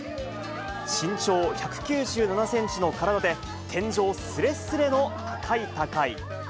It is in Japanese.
身長１９７センチの体で、天井すれすれの高い高い。